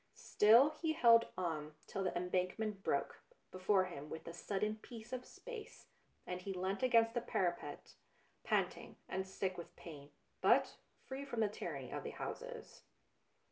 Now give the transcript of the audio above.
Still he held on, till the Embankment broke before him with the sudden peace of space, and he leant against the parapet, panting and sick with pain, but free from the tyranny of the houses.